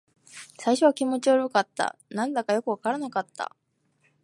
最初は気持ち悪かった。何だかよくわからなかった。